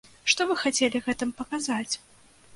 Што вы хацелі гэтым паказаць?